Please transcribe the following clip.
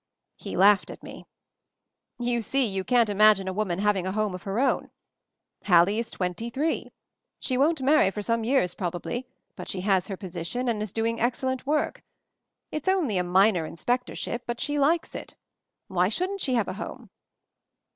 He laughed at me. You see, you can't imagine a woman having a home of her own. Hallie is twenty three. She won't marry for some years, probably; but she has her position and is doing excel lent work. It's only a minor inspectorship, but she likes it. Why shouldn't she have a home?"